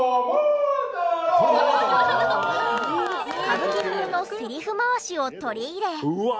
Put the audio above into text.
歌舞伎風のセリフ回しを取り入れ